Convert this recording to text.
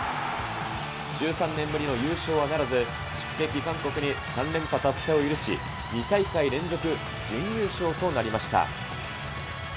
１３年ぶりの優勝はならず、宿敵、韓国に３連覇達成を許し、２大会連続、準優勝となりました。